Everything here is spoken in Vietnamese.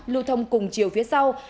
lưu thông cùng chiều phía sau